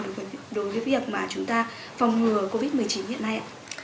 đối với việc chúng ta phòng ngừa covid một mươi chín hiện nay